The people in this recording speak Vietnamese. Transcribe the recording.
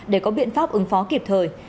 để có biện pháp ứng phó kịp thời